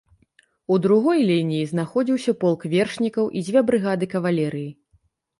У другой лініі знаходзіўся полк вершнікаў і дзве брыгады кавалерыі.